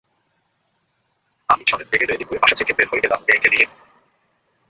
আমি ঝড়ের বেগে রেডি হয়ে বাসা থেকে বের হয়ে গেলাম মেয়েকে নিয়ে।